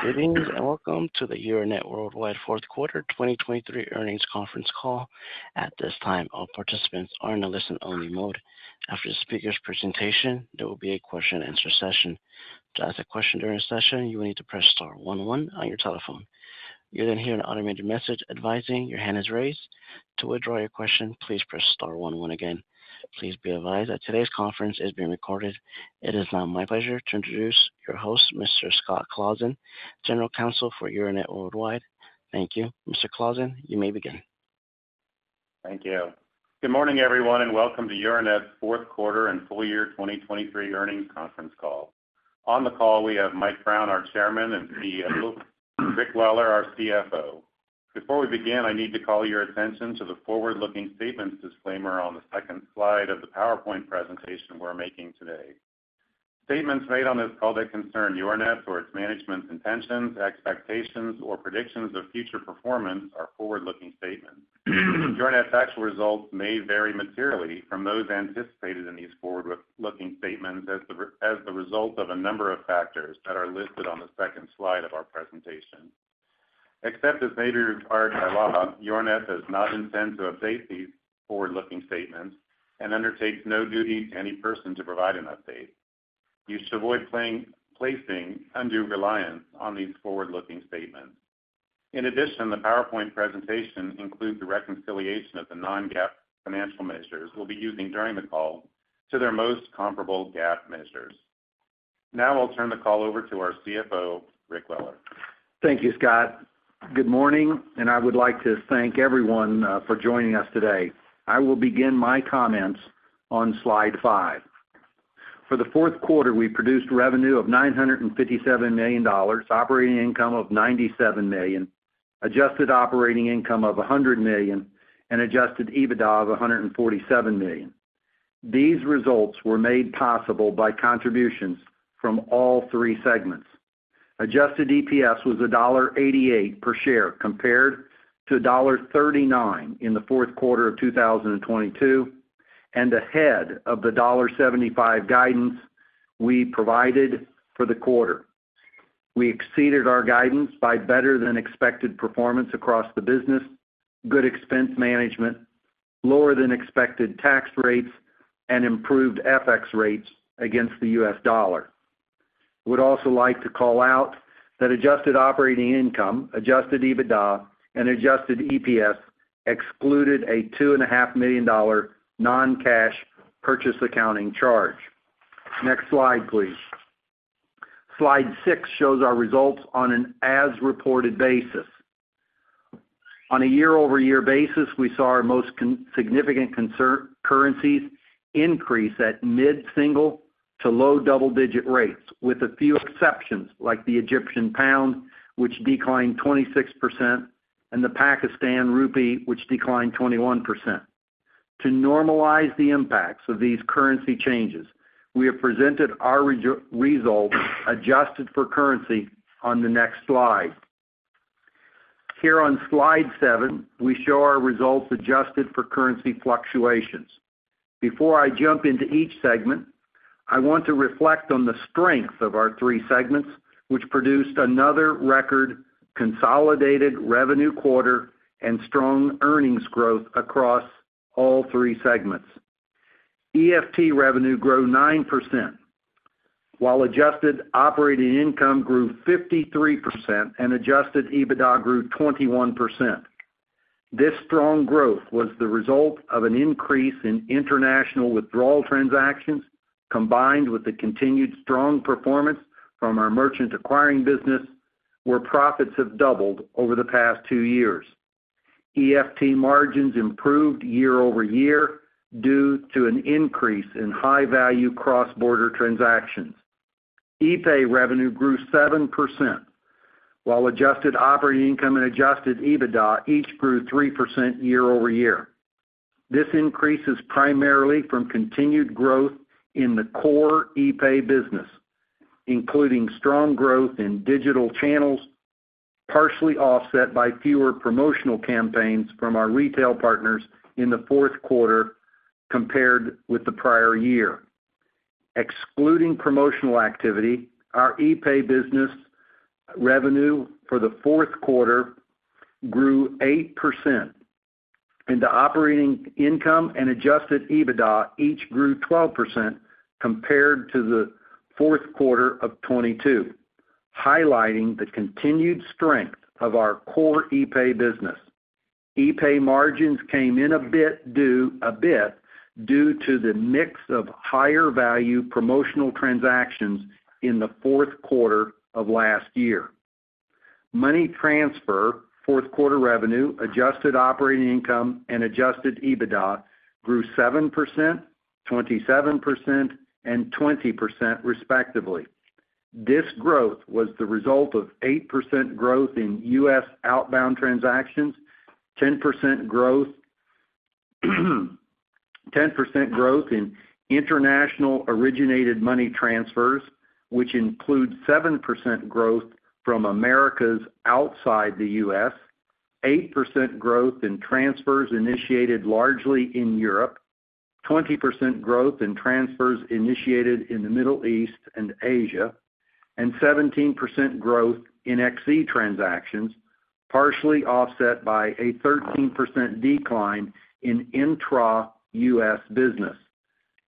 Greetings, and welcome to the Euronet Worldwide Fourth Quarter 2023 Earnings Conference Call. At this time, all participants are in a listen-only mode. After the speaker's presentation, there will be a question-and-answer session. To ask a question during the session, you will need to press star one one on your telephone. You'll then hear an automated message advising your hand is raised. To withdraw your question, please press star one one again. Please be advised that today's conference is being recorded. It is now my pleasure to introduce your host, Mr. Scott Claassen, General Counsel for Euronet Worldwide. Thank you. Mr. Claassen, you may begin. Thank you. Good morning, everyone, and welcome to Euronet's fourth quarter and full year 2023 earnings conference call. On the call, we have Mike Brown, our Chairman and CEO, Rick Weller, our CFO. Before we begin, I need to call your attention to the forward-looking statements disclaimer on the second slide of the PowerPoint presentation we're making today. Statements made on this call that concern Euronet or its management's intentions, expectations, or predictions of future performance are forward-looking statements. Euronet's actual results may vary materially from those anticipated in these forward-looking statements as the result of a number of factors that are listed on the second slide of our presentation. Except as may be required by law, Euronet does not intend to update these forward-looking statements and undertakes no duty to any person to provide an update. You should avoid placing undue reliance on these forward-looking statements. In addition, the PowerPoint presentation includes the reconciliation of the non-GAAP financial measures we'll be using during the call to their most comparable GAAP measures. Now, I'll turn the call over to our CFO, Rick Weller. Thank you, Scott. Good morning, and I would like to thank everyone for joining us today. I will begin my comments on slide five. For the fourth quarter, we produced revenue of $957 million, operating income of $97 million, adjusted operating income of $100 million, and adjusted EBITDA of $147 million. These results were made possible by contributions from all three segments. Adjusted EPS was $1.88 per share, compared to $1.39 in the fourth quarter of 2022, and ahead of the $1.75 guidance we provided for the quarter. We exceeded our guidance by better-than-expected performance across the business, good expense management, lower-than-expected tax rates, and improved FX rates against the US dollar. Would also like to call out that adjusted operating income, adjusted EBITDA, and adjusted EPS excluded a $2.5 million non-cash purchase accounting charge. Next slide, please. Slide six shows our results on an as-reported basis. On a year-over-year basis, we saw our most significant currencies increase at mid-single to low-double-digit rates, with a few exceptions, like the Egyptian pound, which declined 26%, and the Pakistani rupee, which declined 21%. To normalize the impacts of these currency changes, we have presented our results adjusted for currency on the next slide. Here on slide seven, we show our results adjusted for currency fluctuations. Before I jump into each segment, I want to reflect on the strength of our three segments, which produced another record consolidated revenue quarter and strong earnings growth across all three segments. EFT revenue grew 9%, while adjusted operating income grew 53% and adjusted EBITDA grew 21%. This strong growth was the result of an increase in international withdrawal transactions, combined with the continued strong performance from our merchant acquiring business, where profits have doubled over the past two years. EFT margins improved year-over-year due to an increase in high-value cross-border transactions. epay revenue grew 7%, while adjusted operating income and adjusted EBITDA each grew 3% year-over-year. This increase is primarily from continued growth in the core epay business, including strong growth in digital channels, partially offset by fewer promotional campaigns from our retail partners in the fourth quarter compared with the prior year. Excluding promotional activity, our epay business revenue for the fourth quarter grew 8%, and the operating income and adjusted EBITDA each grew 12% compared to the fourth quarter of 2022, highlighting the continued strength of our core epay business. epay margins came in a bit due to the mix of higher-value promotional transactions in the fourth quarter of last year. Money transfer, fourth quarter revenue, adjusted operating income, and adjusted EBITDA grew 7%, 27%, and 20%, respectively. This growth was the result of 8% growth in U.S. outbound transactions, 10% growth in international-originated money transfers, which includes 7% growth from Americas outside the U.S., 8% growth in transfers initiated largely in Europe. 20% growth in transfers initiated in the Middle East and Asia, and 17% growth in XE transactions, partially offset by a 13% decline in intra-U.S. business.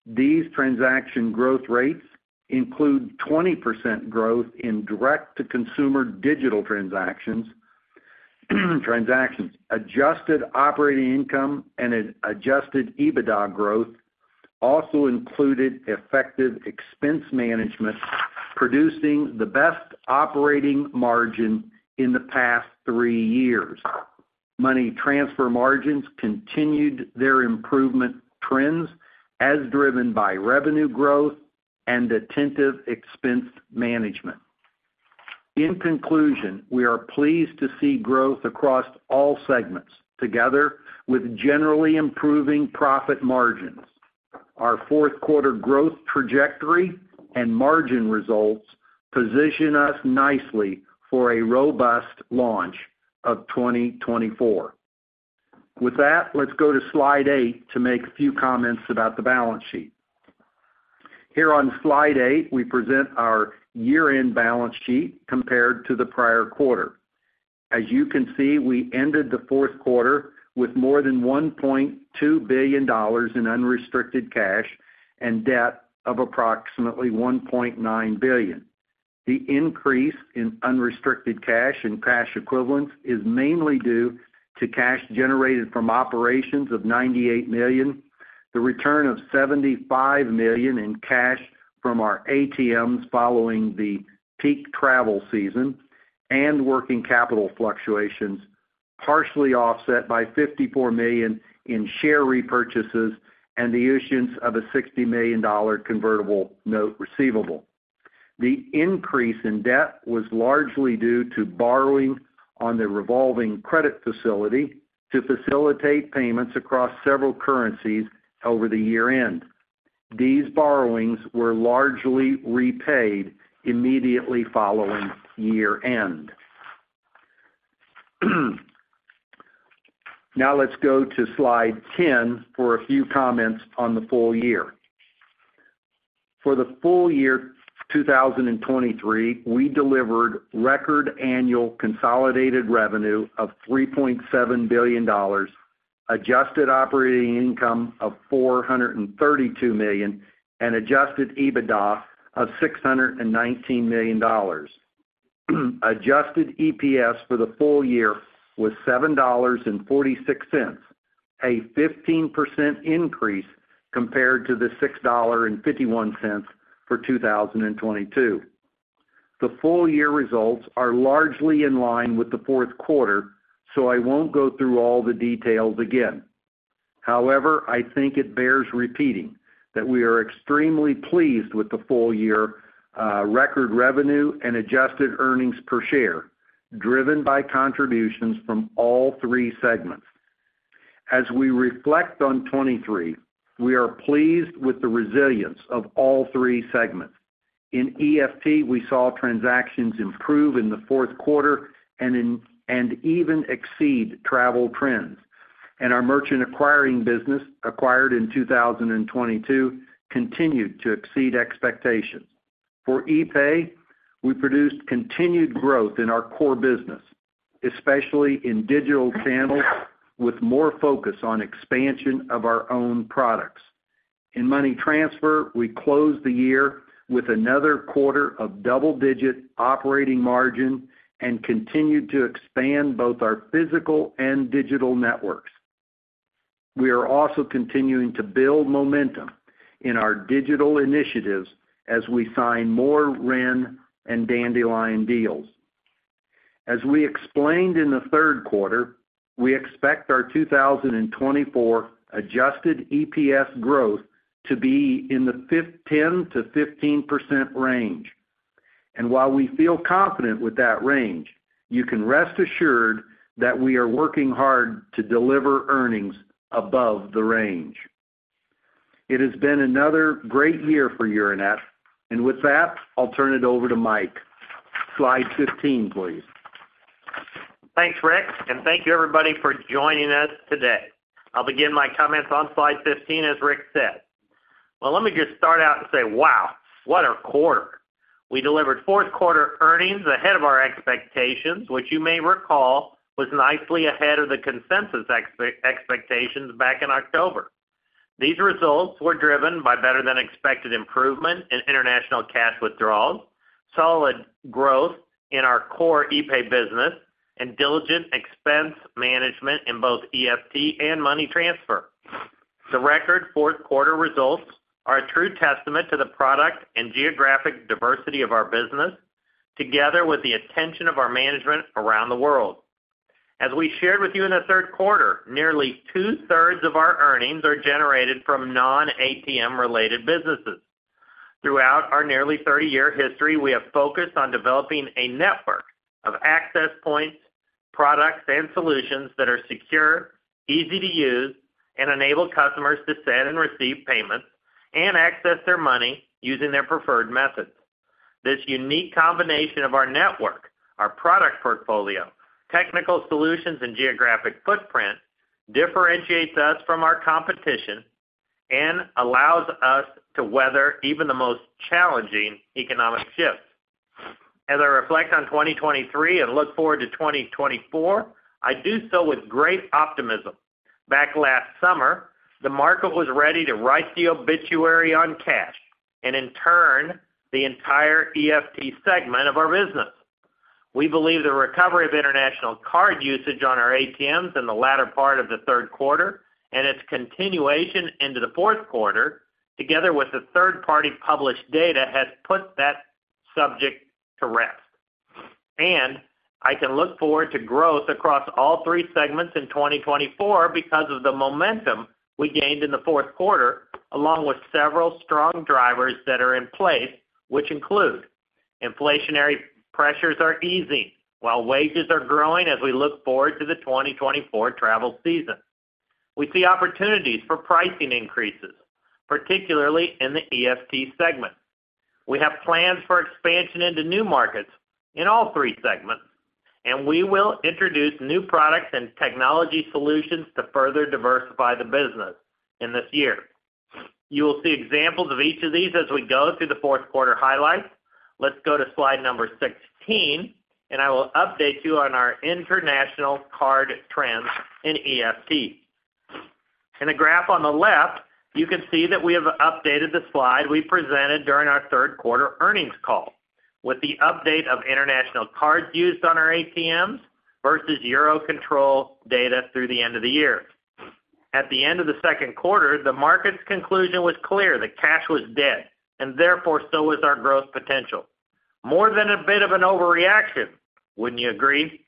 These transaction growth rates include 20% growth in direct-to-consumer digital transactions. Adjusted Operating Income and Adjusted EBITDA growth also included effective expense management, producing the best operating margin in the past three years. Money transfer margins continued their improvement trends as driven by revenue growth and attentive expense management. In conclusion, we are pleased to see growth across all segments, together with generally improving profit margins. Our fourth quarter growth trajectory and margin results position us nicely for a robust launch of 2024. With that, let's go to slide eight to make a few comments about the balance sheet. Here on slide eight, we present our year-end balance sheet compared to the prior quarter. As you can see, we ended the fourth quarter with more than $1.2 billion in unrestricted cash and debt of approximately $1.9 billion. The increase in unrestricted cash and cash equivalents is mainly due to cash generated from operations of $98 million, the return of $75 million in cash from our ATMs following the peak travel season, and working capital fluctuations, partially offset by $54 million in share repurchases and the issuance of a $60 million convertible note receivable. The increase in debt was largely due to borrowing on the revolving credit facility to facilitate payments across several currencies over the year-end. These borrowings were largely repaid immediately following year-end. Now, let's go to slide 10 for a few comments on the full year. For the full year 2023, we delivered record annual consolidated revenue of $3.7 billion, Adjusted Operating Income of $432 million, and Adjusted EBITDA of $619 million. Adjusted EPS for the full year was $7.46, a 15% increase compared to the $6.51 for 2022. The full year results are largely in line with the fourth quarter, so I won't go through all the details again. However, I think it bears repeating that we are extremely pleased with the full year, record revenue and adjusted earnings per share, driven by contributions from all three segments. As we reflect on 2023, we are pleased with the resilience of all three segments. In EFT, we saw transactions improve in the fourth quarter and even exceed travel trends. Our merchant acquiring business, acquired in 2022, continued to exceed expectations. For epay, we produced continued growth in our core business, especially in digital channels, with more focus on expansion of our own products. In money transfer, we closed the year with another quarter of double-digit operating margin and continued to expand both our physical and digital networks. We are also continuing to build momentum in our digital initiatives as we sign more REN and Dandelion deals. As we explained in the third quarter, we expect our 2024 adjusted EPS growth to be in the 10%-15% range. While we feel confident with that range, you can rest assured that we are working hard to deliver earnings above the range. It has been another great year for Euronet, and with that, I'll turn it over to Mike. Slide 15, please. Thanks, Rick, and thank you, everybody, for joining us today. I'll begin my comments on slide 15, as Rick said. Well, let me just start out and say, wow, what a quarter! We delivered fourth quarter earnings ahead of our expectations, which you may recall, was nicely ahead of the consensus expectations back in October. These results were driven by better than expected improvement in international cash withdrawals, solid growth in our core epay business, and diligent expense management in both EFT and money transfer. The record fourth quarter results are a true testament to the product and geographic diversity of our business, together with the attention of our management around the world. As we shared with you in the third quarter, nearly two-thirds of our earnings are generated from non-ATM-related businesses. Throughout our nearly 30-year history, we have focused on developing a network of access points, products, and solutions that are secure, easy to use, and enable customers to send and receive payments and access their money using their preferred methods... This unique combination of our network, our product portfolio, technical solutions, and geographic footprint differentiates us from our competition and allows us to weather even the most challenging economic shifts. As I reflect on 2023 and look forward to 2024, I do so with great optimism. Back last summer, the market was ready to write the obituary on cash and in turn, the entire EFT segment of our business. We believe the recovery of international card usage on our ATMs in the latter part of the third quarter and its continuation into the fourth quarter, together with the third-party published data, has put that subject to rest. I can look forward to growth across all three segments in 2024 because of the momentum we gained in the fourth quarter, along with several strong drivers that are in place, which include: inflationary pressures are easing while wages are growing as we look forward to the 2024 travel season. We see opportunities for pricing increases, particularly in the EFT segment. We have plans for expansion into new markets in all three segments, and we will introduce new products and technology solutions to further diversify the business in this year. You will see examples of each of these as we go through the fourth quarter highlights. Let's go to slide number 16, and I will update you on our international card trends in EFT. In the graph on the left, you can see that we have updated the slide we presented during our third quarter earnings call, with the update of international cards used on our ATMs versus EUROCONTROL data through the end of the year. At the end of the second quarter, the market's conclusion was clear that cash was dead, and therefore, so was our growth potential. More than a bit of an overreaction, wouldn't you agree?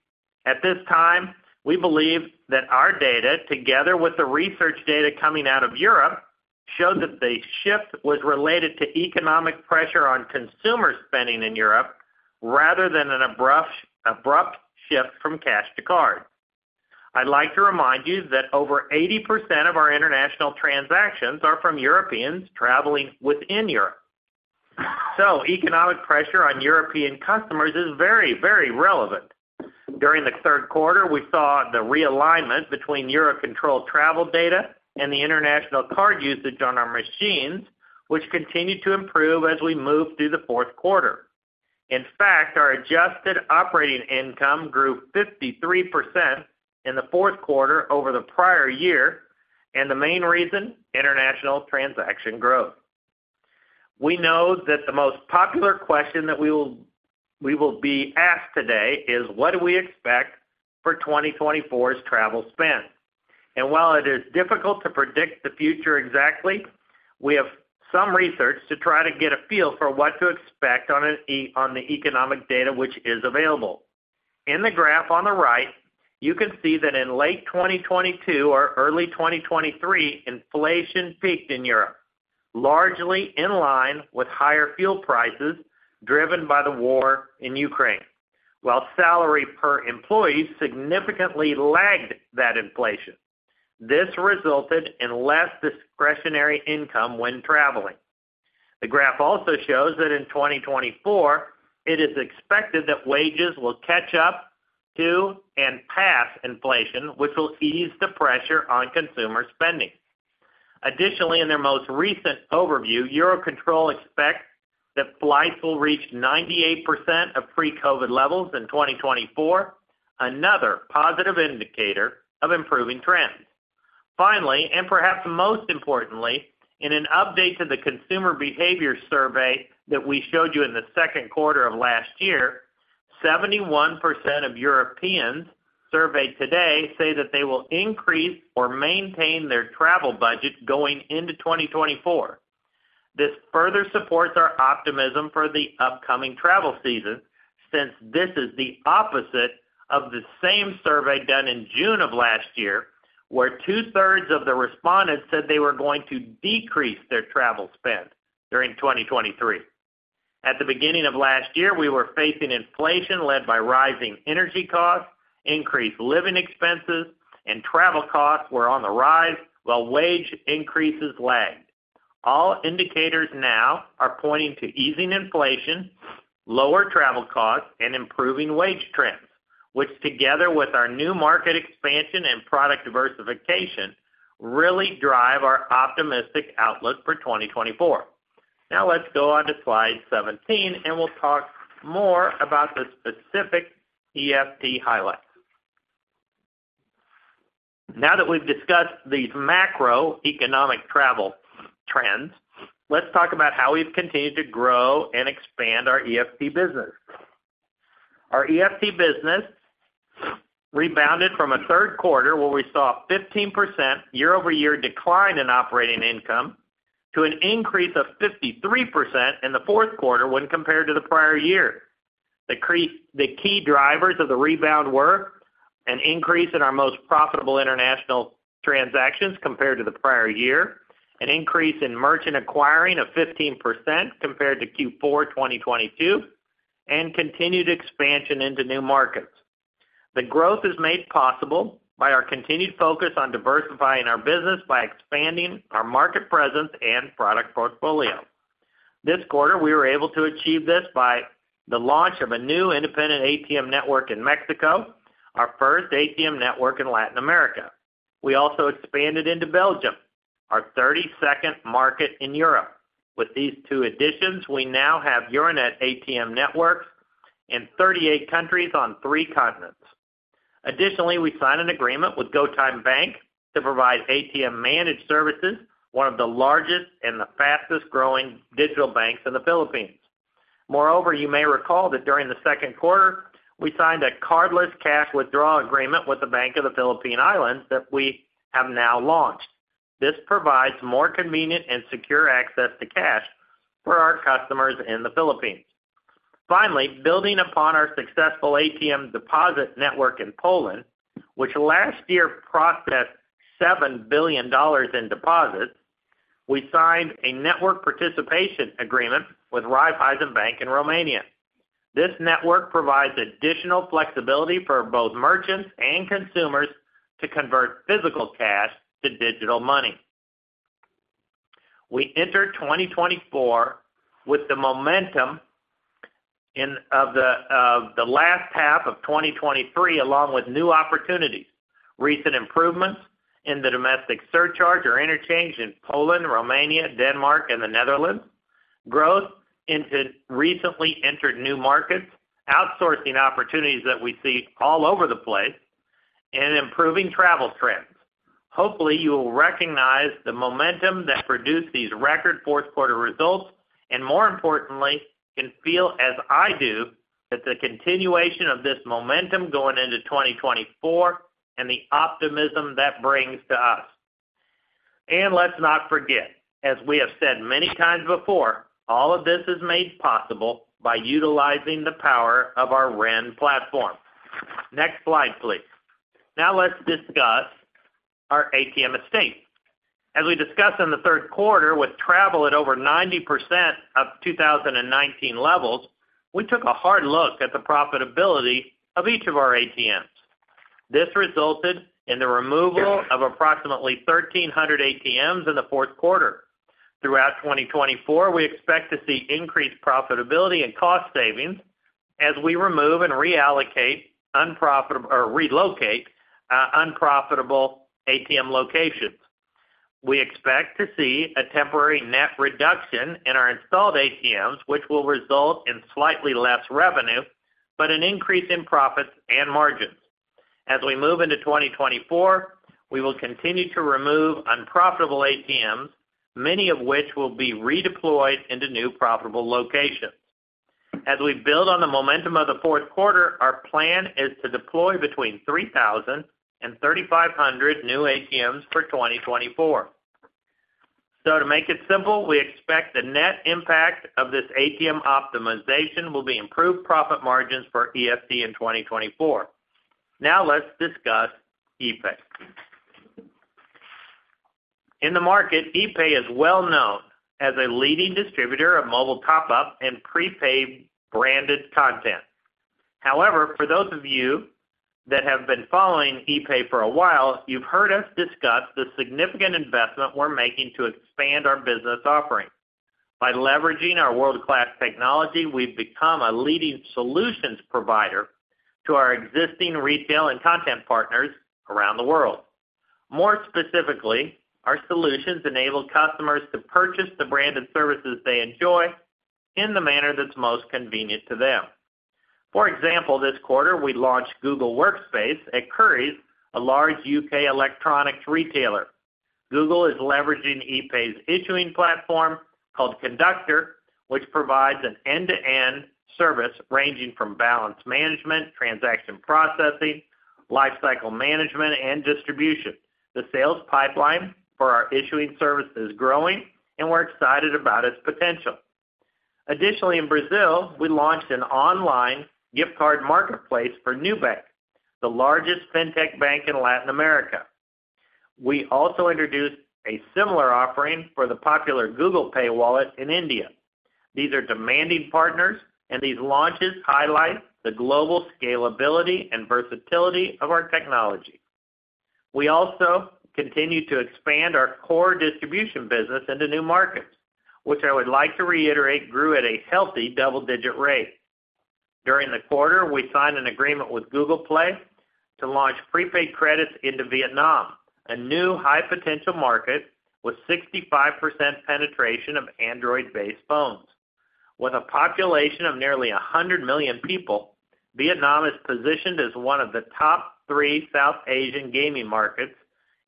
At this time, we believe that our data, together with the research data coming out of Europe, shows that the shift was related to economic pressure on consumer spending in Europe rather than an abrupt, abrupt shift from cash to card. I'd like to remind you that over 80% of our international transactions are from Europeans traveling within Europe. So economic pressure on European customers is very, very relevant. During the third quarter, we saw the realignment between EUROCONTROL travel data and the international card usage on our machines, which continued to improve as we moved through the fourth quarter. In fact, our Adjusted Operating Income grew 53% in the fourth quarter over the prior year, and the main reason, international transaction growth. We know that the most popular question that we will, we will be asked today is what do we expect for 2024's travel spend? And while it is difficult to predict the future exactly, we have some research to try to get a feel for what to expect on an economic data which is available. In the graph on the right, you can see that in late 2022 or early 2023, inflation peaked in Europe, largely in line with higher fuel prices driven by the war in Ukraine, while salary per employee significantly lagged that inflation. This resulted in less discretionary income when traveling. The graph also shows that in 2024, it is expected that wages will catch up to and pass inflation, which will ease the pressure on consumer spending. Additionally, in their most recent overview, EUROCONTROL expects that flights will reach 98% of pre-COVID levels in 2024, another positive indicator of improving trends. Finally, and perhaps most importantly, in an update to the consumer behavior survey that we showed you in the second quarter of last year, 71% of Europeans surveyed today say that they will increase or maintain their travel budget going into 2024. This further supports our optimism for the upcoming travel season, since this is the opposite of the same survey done in June of last year, where two-thirds of the respondents said they were going to decrease their travel spend during 2023. At the beginning of last year, we were facing inflation led by rising energy costs, increased living expenses, and travel costs were on the rise while wage increases lagged. All indicators now are pointing to easing inflation, lower travel costs, and improving wage trends, which together with our new market expansion and product diversification, really drive our optimistic outlook for 2024. Now let's go on to slide 17, and we'll talk more about the specific EFT highlights. Now that we've discussed these macroeconomic travel trends, let's talk about how we've continued to grow and expand our EFT business. Our EFT business rebounded from a third quarter, where we saw a 15% year-over-year decline in operating income to an increase of 53% in the fourth quarter when compared to the prior year. The key drivers of the rebound were an increase in our most profitable international transactions compared to the prior year, an increase in merchant acquiring of 15% compared to Q4 2022, and continued expansion into new markets. The growth is made possible by our continued focus on diversifying our business by expanding our market presence and product portfolio. This quarter, we were able to achieve this by the launch of a new independent ATM network in Mexico, our first ATM network in Latin America. We also expanded into Belgium, our 32nd market in Europe. With these two additions, we now have Euronet ATM networks in 38 countries on three continents. Additionally, we signed an agreement with GoTyme Bank to provide ATM managed services, one of the largest and the fastest-growing digital banks in the Philippines. Moreover, you may recall that during the second quarter, we signed a cardless cash withdrawal agreement with the Bank of the Philippine Islands that we have now launched. This provides more convenient and secure access to cash for our customers in the Philippines. Finally, building upon our successful ATM deposit network in Poland, which last year processed $7 billion in deposits, we signed a network participation agreement with Raiffeisen Bank in Romania. This network provides additional flexibility for both merchants and consumers to convert physical cash to digital money. We enter 2024 with the momentum of the last half of 2023, along with new opportunities, recent improvements in the domestic surcharge or interchange in Poland, Romania, Denmark, and the Netherlands, growth into recently entered new markets, outsourcing opportunities that we see all over the place, and improving travel trends. Hopefully, you will recognize the momentum that produced these record fourth quarter results, and more importantly, can feel, as I do, that the continuation of this momentum going into 2024 and the optimism that brings to us. And let's not forget, as we have said many times before, all of this is made possible by utilizing the power of our REN platform. Next slide, please. Now let's discuss our ATM estate. As we discussed in the third quarter, with travel at over 90% of 2019 levels, we took a hard look at the profitability of each of our ATMs. This resulted in the removal of approximately 1,300 ATMs in the fourth quarter. Throughout 2024, we expect to see increased profitability and cost savings as we remove and reallocate unprofitable or relocate unprofitable ATM locations. We expect to see a temporary net reduction in our installed ATMs, which will result in slightly less revenue, but an increase in profits and margins. As we move into 2024, we will continue to remove unprofitable ATMs, many of which will be redeployed into new profitable locations. As we build on the momentum of the fourth quarter, our plan is to deploy between 3,000 and 3,500 new ATMs for 2024. To make it simple, we expect the net impact of this ATM optimization will be improved profit margins for EFT in 2024. Now let's discuss epay. In the market, epay is well known as a leading distributor of mobile top-up and prepaid branded content. However, for those of you that have been following epay for a while, you've heard us discuss the significant investment we're making to expand our business offering. By leveraging our world-class technology, we've become a leading solutions provider to our existing retail and content partners around the world. More specifically, our solutions enable customers to purchase the branded services they enjoy in the manner that's most convenient to them. For example, this quarter, we launched Google Workspace at Currys, a large UK electronics retailer. Google is leveraging epay's issuing platform, called Conductor, which provides an end-to-end service ranging from balance management, transaction processing, life cycle management, and distribution. The sales pipeline for our issuing service is growing, and we're excited about its potential. Additionally, in Brazil, we launched an online gift card marketplace for Nubank, the largest fintech bank in Latin America. We also introduced a similar offering for the popular Google Pay wallet in India. These are demanding partners, and these launches highlight the global scalability and versatility of our technology. We also continue to expand our core distribution business into new markets, which I would like to reiterate, grew at a healthy double-digit rate. During the quarter, we signed an agreement with Google Play to launch prepaid credits into Vietnam, a new high-potential market with 65% penetration of Android-based phones. With a population of nearly 100 million people, Vietnam is positioned as one of the top three South Asian gaming markets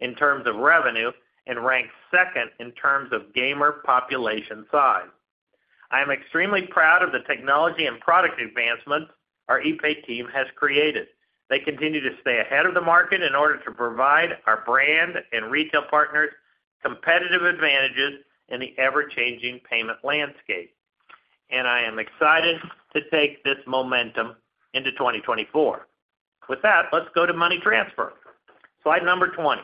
in terms of revenue and ranks second in terms of gamer population size. I am extremely proud of the technology and product advancements our epay team has created. They continue to stay ahead of the market in order to provide our brand and retail partners competitive advantages in the ever-changing payment landscape, and I am excited to take this momentum into 2024. With that, let's go to money transfer. Slide number 20.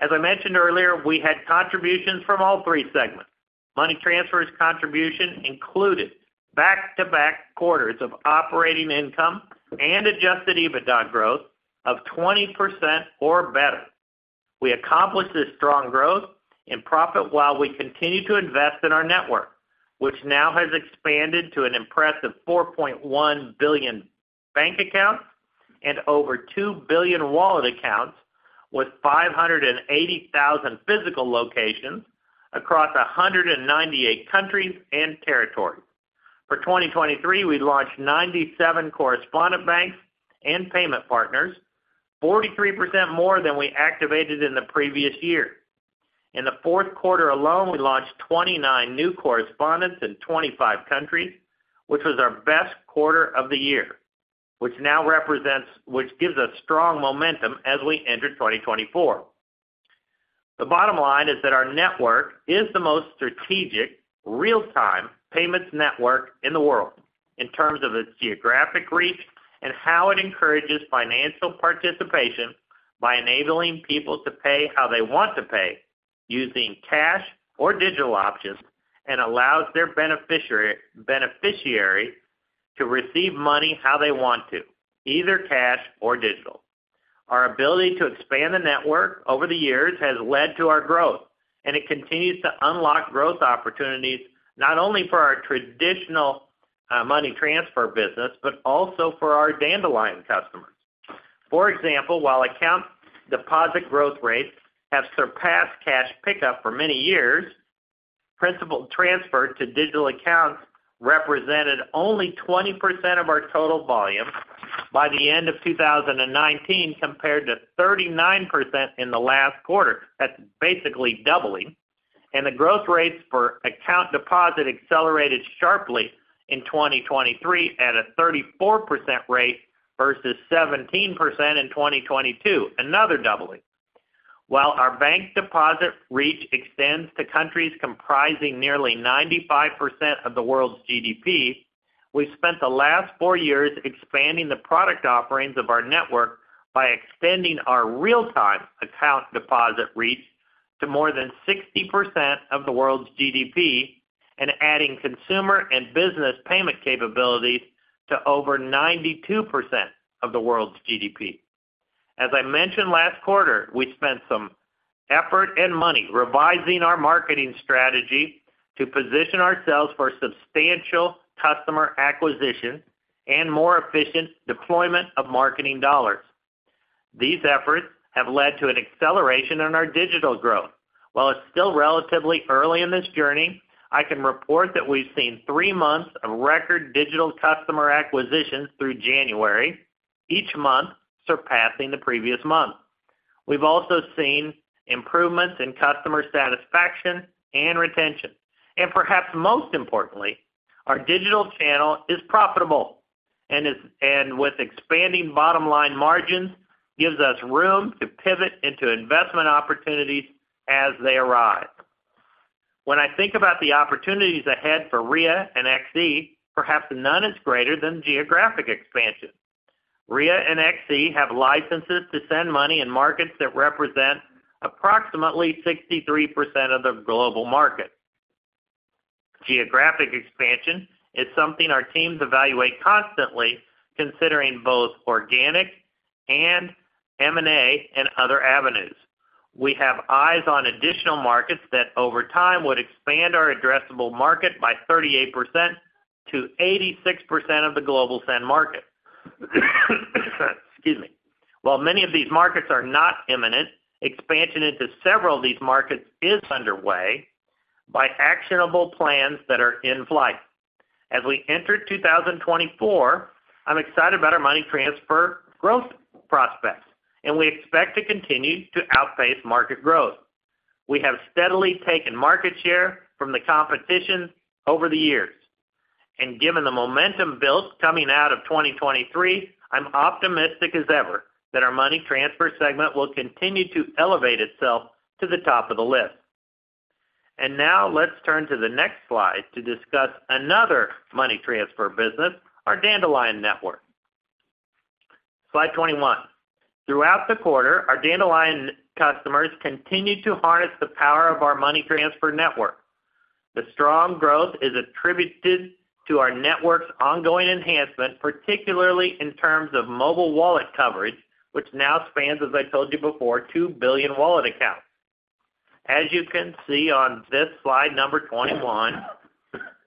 As I mentioned earlier, we had contributions from all three segments. Money transfers contribution included back-to-back quarters of operating income and Adjusted EBITDA growth of 20% or better. We accomplished this strong growth in profit while we continued to invest in our network, which now has expanded to an impressive 4.1 billion bank accounts and over 2 billion wallet accounts, with 580,000 physical locations across 198 countries and territories. For 2023, we launched 97 correspondent banks and payment partners, 43% more than we activated in the previous year. In the fourth quarter alone, we launched 29 new correspondents in 25 countries, which was our best quarter of the year, which gives us strong momentum as we enter 2024. The bottom line is that our network is the most strategic, real-time payments network in the world in terms of its geographic reach and how it encourages financial participation by enabling people to pay how they want to pay, using cash or digital options, and allows their beneficiary to receive money how they want to, either cash or digital. Our ability to expand the network over the years has led to our growth, and it continues to unlock growth opportunities not only for our traditional, money transfer business, but also for our Dandelion customers. For example, while account deposit growth rates have surpassed cash pickup for many years, principal transfer to digital accounts represented only 20% of our total volume by the end of 2019, compared to 39% in the last quarter. That's basically doubling. Growth rates for account deposit accelerated sharply in 2023 at a 34% rate versus 17% in 2022, another doubling. While our bank deposit reach extends to countries comprising nearly 95% of the world's GDP, we've spent the last four years expanding the product offerings of our network by extending our real-time account deposit reach to more than 60% of the world's GDP and adding consumer and business payment capabilities to over 92% of the world's GDP. As I mentioned last quarter, we spent some effort and money revising our marketing strategy to position ourselves for substantial customer acquisition and more efficient deployment of marketing dollars. These efforts have led to an acceleration in our digital growth. While it's still relatively early in this journey, I can report that we've seen three months of record digital customer acquisitions through January, each month surpassing the previous month. We've also seen improvements in customer satisfaction and retention. Perhaps most importantly, our digital channel is profitable and with expanding bottom-line margins, gives us room to pivot into investment opportunities as they arrive. When I think about the opportunities ahead for Ria and XE, perhaps none is greater than geographic expansion. Ria and XE have licenses to send money in markets that represent approximately 63% of the global market. Geographic expansion is something our teams evaluate constantly, considering both organic and M&A, and other avenues. We have eyes on additional markets that, over time, would expand our addressable market by 38% to 86% of the global send market. Excuse me. While many of these markets are not imminent, expansion into several of these markets is underway by actionable plans that are in flight. As we enter 2024, I'm excited about our money transfer growth prospects, and we expect to continue to outpace market growth. We have steadily taken market share from the competition over the years, and given the momentum built coming out of 2023, I'm optimistic as ever that our money transfer segment will continue to elevate itself to the top of the list. And now, let's turn to the next slide to discuss another money transfer business, our Dandelion network. Slide 21. Throughout the quarter, our Dandelion customers continued to harness the power of our money transfer network. The strong growth is attributed to our network's ongoing enhancement, particularly in terms of mobile wallet coverage, which now spans, as I told you before, 2 billion wallet accounts. As you can see on this slide number 21,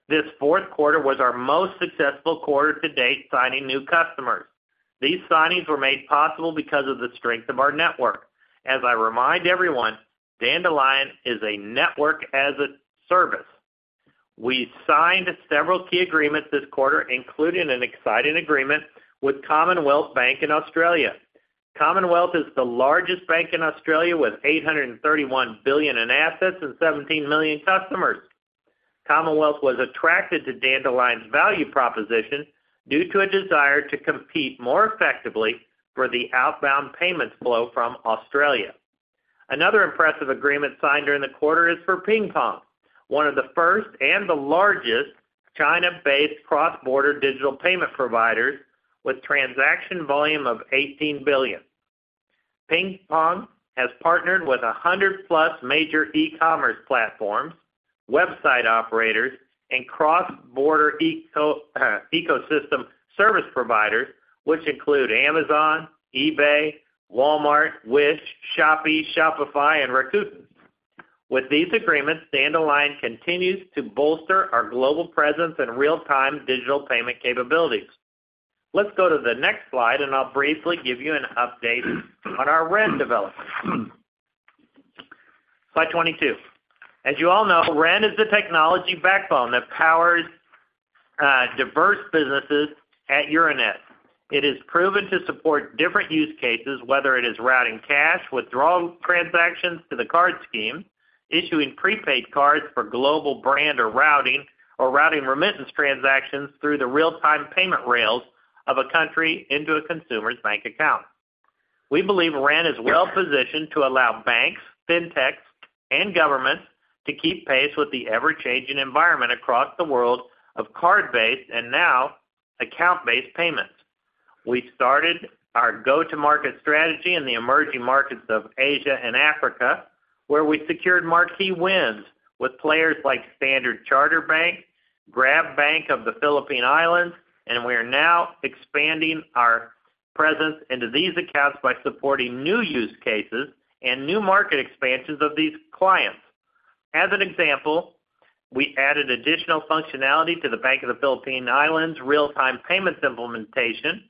this fourth quarter was our most successful quarter to date, signing new customers. These signings were made possible because of the strength of our network. As I remind everyone, Dandelion is a network as a service. We signed several key agreements this quarter, including an exciting agreement with Commonwealth Bank in Australia. Commonwealth is the largest bank in Australia, with 831 billion in assets and 17 million customers. Commonwealth was attracted to Dandelion's value proposition due to a desire to compete more effectively for the outbound payments flow from Australia.... Another impressive agreement signed during the quarter is for PingPong, one of the first and the largest China-based cross-border digital payment providers, with transaction volume of $18 billion. PingPong has partnered with 100+ major e-commerce platforms, website operators, and cross-border ecosystem service providers, which include Amazon, eBay, Walmart, Wish, Shopee, Shopify, and Rakuten. With these agreements, Dandelion continues to bolster our global presence and real-time digital payment capabilities. Let's go to the next slide, and I'll briefly give you an update on our Ren development. Slide 22. As you all know, Ren is the technology backbone that powers diverse businesses at Euronet. It is proven to support different use cases, whether it is routing cash withdrawal transactions to the card scheme, issuing prepaid cards for global brand or routing, or routing remittance transactions through the real-time payment rails of a country into a consumer's bank account. We believe Ren is well positioned to allow banks, Fintechs, and governments to keep pace with the ever-changing environment across the world of card-based and now account-based payments. We started our go-to-market strategy in the emerging markets of Asia and Africa, where we secured marquee wins with players like Standard Chartered Bank, Grab, Bank of the Philippine Islands, and we are now expanding our presence into these accounts by supporting new use cases and new market expansions of these clients. As an example, we added additional functionality to the Bank of the Philippine Islands real-time payments implementation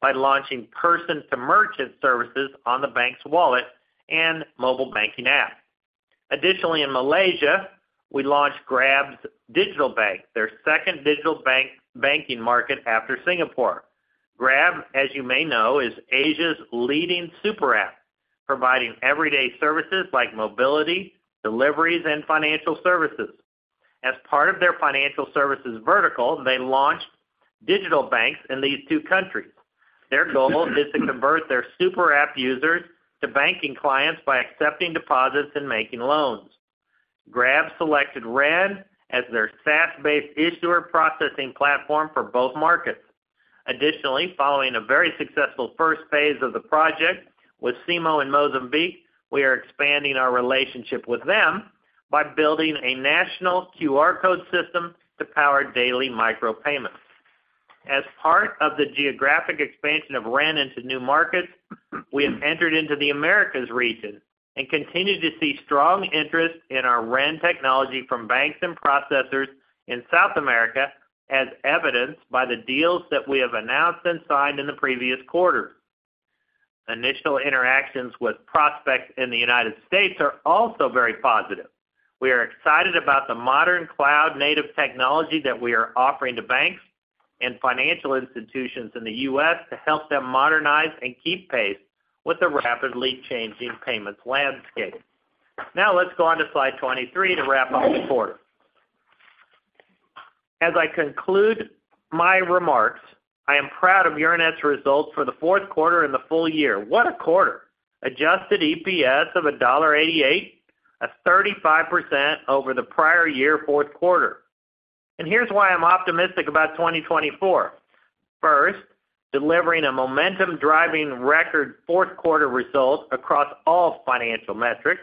by launching person-to-merchant services on the bank's wallet and mobile banking app. Additionally, in Malaysia, we launched Grab's digital bank, their second digital banking market after Singapore. Grab, as you may know, is Asia's leading super app, providing everyday services like mobility, deliveries, and financial services. As part of their financial services vertical, they launched digital banks in these two countries. Their goal is to convert their super app users to banking clients by accepting deposits and making loans. Grab selected Ren as their SaaS-based issuer processing platform for both markets. Additionally, following a very successful first phase of the project with SIMO in Mozambique, we are expanding our relationship with them by building a national QR code system to power daily micro payments. As part of the geographic expansion of Ren into new markets, we have entered into the Americas region and continued to see strong interest in our Ren technology from banks and processors in South America, as evidenced by the deals that we have announced and signed in the previous quarter. Initial interactions with prospects in the United States are also very positive. We are excited about the modern cloud-native technology that we are offering to banks and financial institutions in the U.S. to help them modernize and keep pace with the rapidly changing payments landscape. Now, let's go on to slide 23 to wrap up the quarter. As I conclude my remarks, I am proud of Euronet's results for the fourth quarter and the full year. What a quarter! Adjusted EPS of $1.88, a 35% over the prior year fourth quarter. And here's why I'm optimistic about 2024. First, delivering a momentum-driving record fourth quarter results across all financial metrics.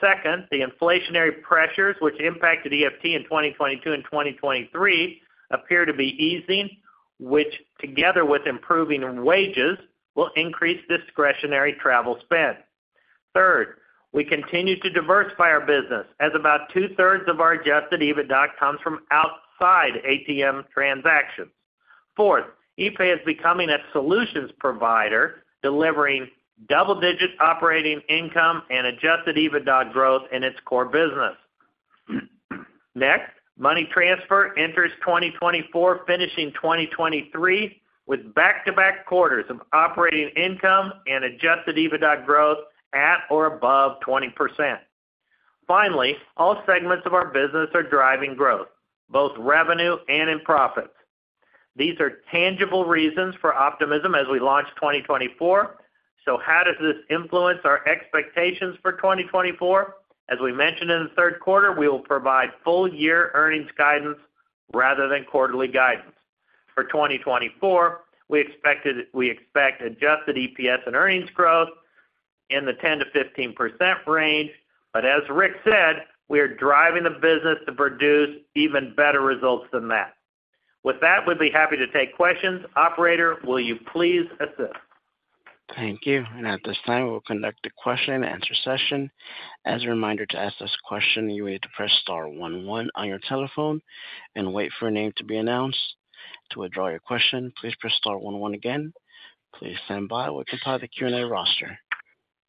Second, the inflationary pressures, which impacted EFT in 2022 and 2023, appear to be easing, which, together with improving in wages, will increase discretionary travel spend. Third, we continue to diversify our business, as about two-thirds of our adjusted EBITDA comes from outside ATM transactions. Fourth, epay is becoming a solutions provider, delivering double-digit operating income and adjusted EBITDA growth in its core business. Next, Money Transfer enters 2024, finishing 2023, with back-to-back quarters of operating income and adjusted EBITDA growth at or above 20%. Finally, all segments of our business are driving growth, both revenue and in profits. These are tangible reasons for optimism as we launch 2024. So how does this influence our expectations for 2024? As we mentioned in the third quarter, we will provide full-year earnings guidance rather than quarterly guidance. For 2024, we expect adjusted EPS and earnings growth in the 10%-15% range. But as Rick said, we are driving the business to produce even better results than that. With that, we'd be happy to take questions. Operator, will you please assist? Thank you. At this time, we'll conduct a question-and-answer session. As a reminder, to ask this question, you need to press star one one on your telephone and wait for a name to be announced. To withdraw your question, please press star one one again. Please stand by while we compile the Q&A roster.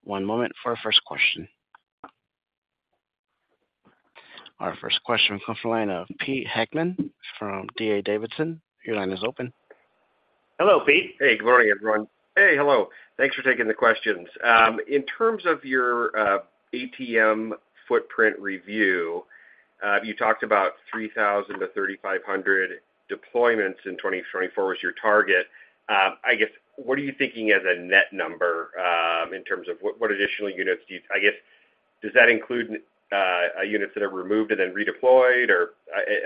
One moment for our first question. Our first question comes from the line of Pete Heckmann from D.A. Davidson. Your line is open. Hello, Pete. Hey, good morning, everyone. Hey, hello. Thanks for taking the questions. In terms of your ATM footprint review, you talked about 3,000-3,500 deployments in 2024 was your target. I guess, what are you thinking as a net number, in terms of what additional units do you... Does that include units that are removed and then redeployed? Or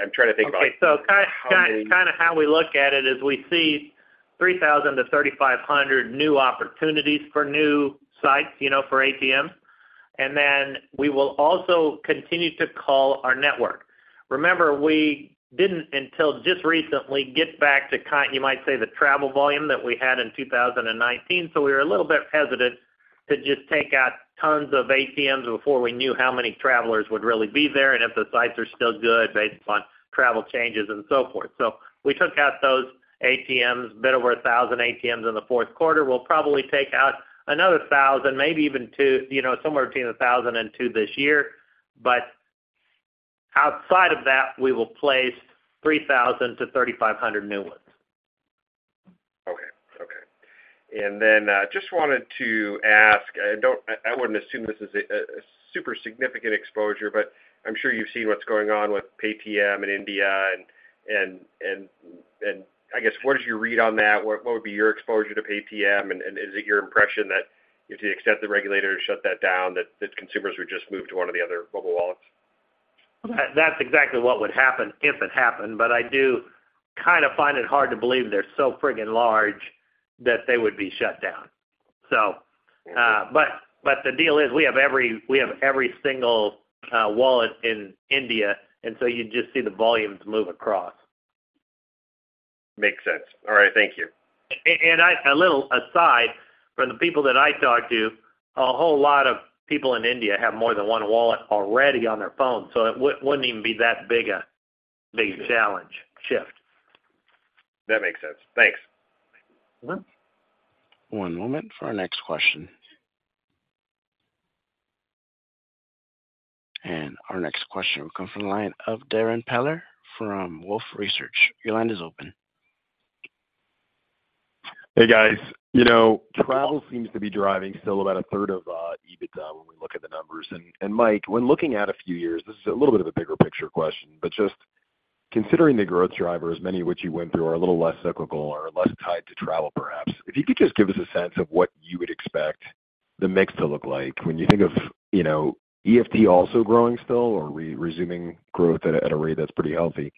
I'm trying to think about- Okay, so kind of how we look at it is we see 3,000-3,500 new opportunities for new sites, you know, for ATMs. Then we will also continue to cull our network. Remember, we didn't, until just recently, get back to kind of, you might say, the travel volume that we had in 2019, so we were a little bit hesitant to just take out tons of ATMs before we knew how many travelers would really be there and if the sites are still good based on travel changes and so forth. So we took out those ATMs, a bit over 1,000 ATMs in the fourth quarter. We'll probably take out another 1,000, maybe even 2,000, you know, somewhere between 1,000 and 2,000 this year. But outside of that, we will place 3,000-3,500 new ones. Okay. Okay. Just wanted to ask, I don't—I wouldn't assume this is a super significant exposure, but I'm sure you've seen what's going on with Paytm in India, and I guess, what is your read on that? What would be your exposure to Paytm? And is it your impression that if the accepted regulator shut that down, that consumers would just move to one of the other mobile wallets? That's exactly what would happen if it happened, but I do kind of find it hard to believe they're so freaking large that they would be shut down. So, but, but the deal is we have every, we have every single, wallet in India, and so you just see the volumes move across. Makes sense. All right, thank you. A little aside, from the people that I talked to, a whole lot of people in India have more than one wallet already on their phone, so it wouldn't even be that big a challenge shift. That makes sense. Thanks. One moment for our next question. Our next question will come from the line of Darrin Peller from Wolfe Research. Your line is open. Hey, guys. You know, travel seems to be driving still about a third of EBITDA when we look at the numbers. And, and Mike, when looking at a few years, this is a little bit of a bigger picture question, but just considering the growth drivers, many of which you went through, are a little less cyclical or less tied to travel, perhaps. If you could just give us a sense of what you would expect the mix to look like when you think of, you know, EFT also growing still or resuming growth at a rate that's pretty healthy,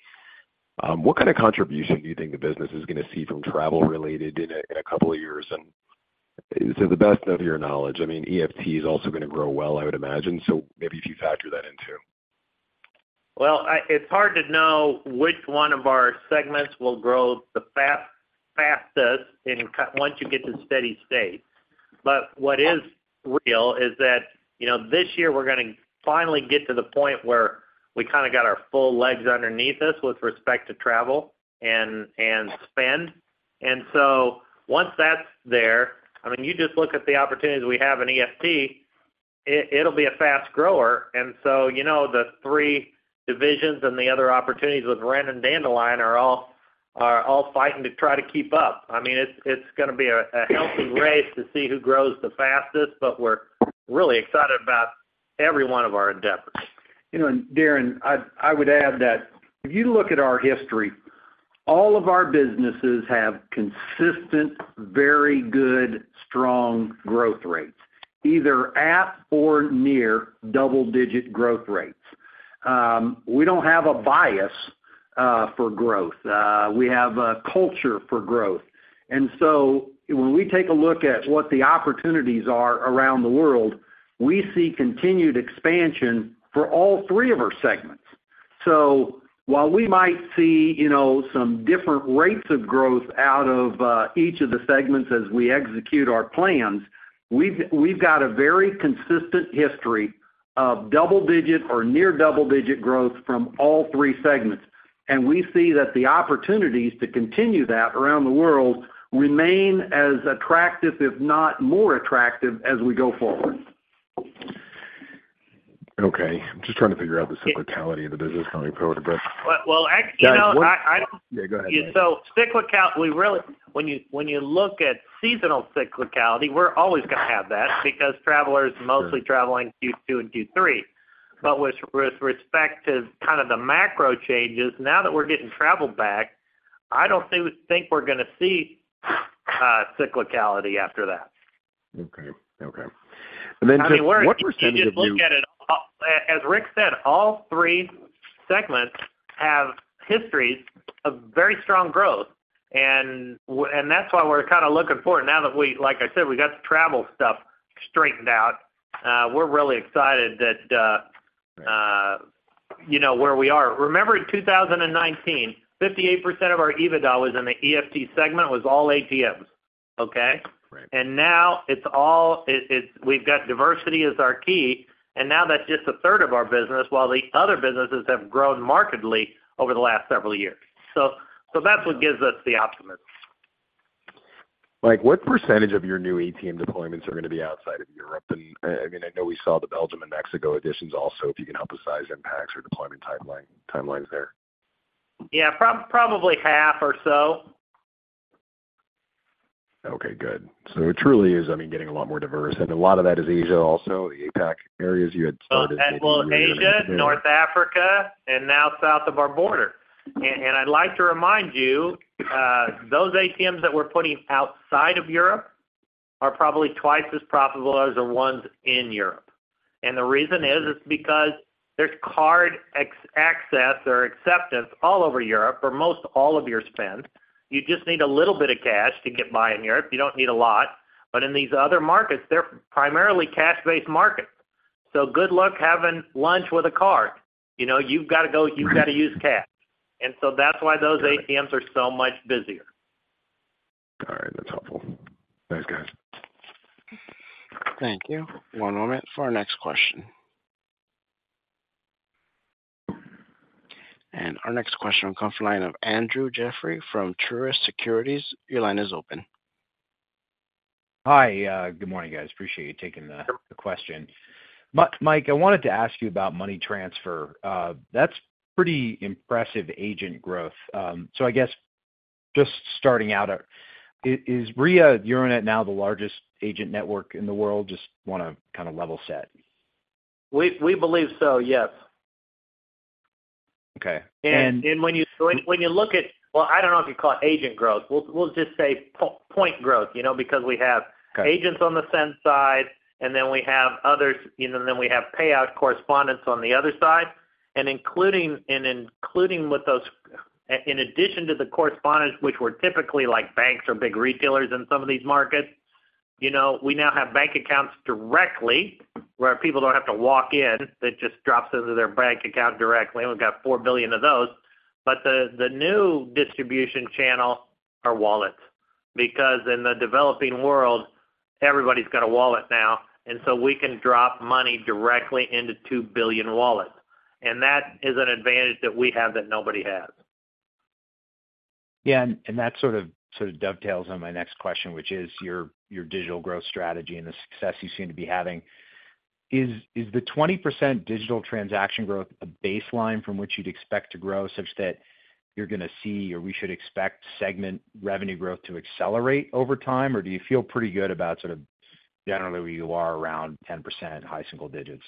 what kind of contribution do you think the business is going to see from travel-related in a couple of years? And to the best of your knowledge, I mean, EFT is also going to grow well, I would imagine. Maybe if you factor that in, too. Well, it's hard to know which one of our segments will grow the fastest once you get to steady state. But what is real is that, you know, this year we're gonna finally get to the point where we kinda got our full legs underneath us with respect to travel and spend. And so once that's there, I mean, you just look at the opportunities we have in EFT. It'll be a fast grower. And so, you know, the three divisions and the other opportunities with Ren and Dandelion are all fighting to try to keep up. I mean, it's gonna be a healthy race to see who grows the fastest, but we're really excited about every one of our endeavors. You know, and Darrin, I would add that if you look at our history, all of our businesses have consistent, very good, strong growth rates, either at or near double-digit growth rates. We don't have a bias for growth. We have a culture for growth. And so when we take a look at what the opportunities are around the world, we see continued expansion for all three of our segments. So while we might see, you know, some different rates of growth out of each of the segments as we execute our plans, we've got a very consistent history of double-digit or near double-digit growth from all three segments. And we see that the opportunities to continue that around the world remain as attractive, if not more attractive, as we go forward. Okay. I'm just trying to figure out the cyclicality of the business, how we put it, but- Well, well, you know, I... Yeah, go ahead. So cyclical, we really, when you look at seasonal cyclicality, we're always going to have that because travelers mostly traveling Q2 and Q3. But with respect to kind of the macro changes, now that we're getting travel back, I don't think we're going to see cyclicality after that. Okay. Okay. And then just- I mean, we're- What percentage of you- If you just look at it, as Rick said, all three segments have histories of very strong growth, and that's why we're kind of looking forward. Now that like I said, we got the travel stuff straightened out, we're really excited that, you know where we are. Remember, in 2019, 58% of our EBITDA was in the EFT segment, was all ATMs, okay? Right. And now it's all it is. We've got diversity as our key, and now that's just a third of our business, while the other businesses have grown markedly over the last several years. So that's what gives us the optimism. Mike, what percentage of your new ATM deployments are going to be outside of Europe? And, I mean, I know we saw the Belgium and Mexico additions also, if you can help us size impacts or deployment timelines there. Yeah, probably half or so. Okay, good. So it truly is, I mean, getting a lot more diverse, and a lot of that is Asia, also APAC areas you had started- Well, in Asia, North Africa, and now south of our border. And I'd like to remind you, those ATMs that we're putting outside of Europe are probably twice as profitable as the ones in Europe. And the reason is because there's card access or acceptance all over Europe for most all of your spend. You just need a little bit of cash to get by in Europe. You don't need a lot. But in these other markets, they're primarily cash-based markets. So good luck having lunch with a card. You know, you've got to go, you've got to use cash. And so that's why those ATMs are so much busier. All right. That's helpful. Thanks, guys. Thank you. One moment for our next question. Our next question comes from the line of Andrew Jeffrey from Truist Securities. Your line is open. Hi, good morning, guys. Appreciate you taking the question. Mike, I wanted to ask you about money transfer. That's pretty impressive agent growth. So I guess just starting out, is Ria, you're in it now, the largest agent network in the world? Just want to kind of level set. We believe so, yes. Okay, and- When you look at... Well, I don't know if you call it agent growth. We'll just say point growth, you know, because we have- Got it. agents on the send side, and then we have others, you know, and then we have payout correspondents on the other side. And in addition to the correspondents, which were typically like banks or big retailers in some of these markets, you know, we now have bank accounts directly, where people don't have to walk in. It just drops into their bank account directly, and we've got 4 billion of those. But the new distribution channel are wallets, because in the developing world, everybody's got a wallet now, and so we can drop money directly into 2 billion wallets. And that is an advantage that we have that nobody has. Yeah, and that sort of dovetails on my next question, which is your digital growth strategy and the success you seem to be having. Is the 20% digital transaction growth a baseline from which you'd expect to grow such that you're going to see or we should expect segment revenue growth to accelerate over time? Or do you feel pretty good about sort of generally where you are around 10%, high single digits?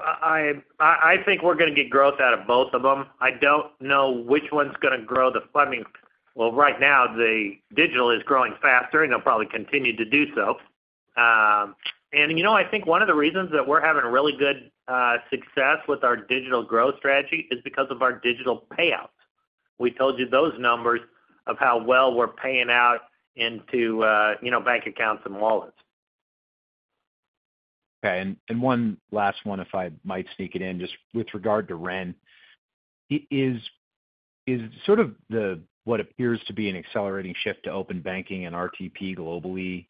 I think we're going to get growth out of both of them. I don't know which one's going to grow the funding. Well, right now, the digital is growing faster, and it'll probably continue to do so. And, you know, I think one of the reasons that we're having really good success with our digital growth strategy is because of our digital payouts. We told you those numbers of how well we're paying out into, you know, bank accounts and wallets. Okay. And one last one, if I might sneak it in, just with regard to Ren. Is sort of the, what appears to be an accelerating shift to open banking and RTP globally,